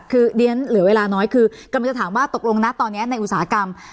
คือเรียนเหลือเวลาน้อยคือกำลังจะถามว่าตกลงนะตอนนี้ในอุตสาหกรรม